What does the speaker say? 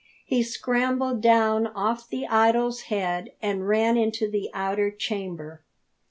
He scrambled down off the idols head and ran into the outer chamber.